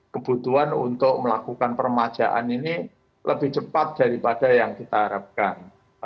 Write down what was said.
kebutuhan untuk melakukan permajaan ini lebih cepat daripada yang kita harapkan